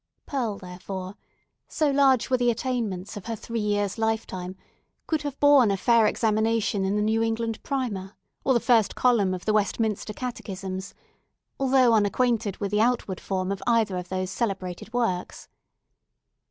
Pearl, therefore—so large were the attainments of her three years' lifetime—could have borne a fair examination in the New England Primer, or the first column of the Westminster Catechisms, although unacquainted with the outward form of either of those celebrated works.